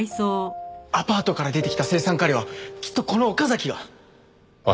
アパートから出てきた青酸カリはきっとこの岡崎が。